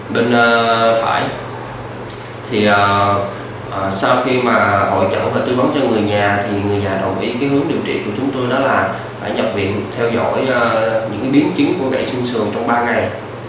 bệnh viện đã đồng ý với gia đình nhập viện theo dõi các biến chứng của gãy xương sườn trong ba ngày